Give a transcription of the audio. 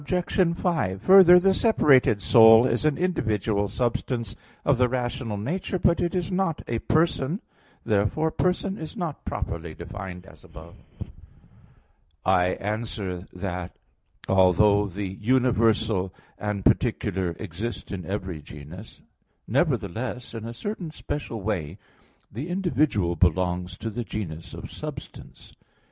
5: Further, the separated soul is an individual substance of the rational nature; but it is not a person. Therefore person is not properly defined as above. I answer that, Although the universal and particular exist in every genus, nevertheless, in a certain special way, the individual belongs to the genus of substance.